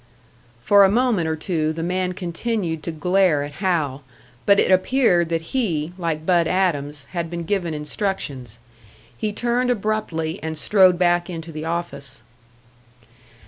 For a moment or two the man continued to glare at Hal; but it appeared that he, like Bud Adams, had been given instructions. He turned abruptly and strode back into the office.